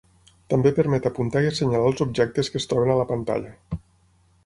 També permet apuntar i assenyalar els objectes que es troben a la pantalla.